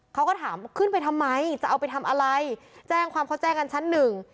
เขาก็ถามขึ้นไปทำไมจะเอาไปทำอะไรแจ้งความเขาแจ้งกันชั้นหนึ่ง